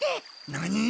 何？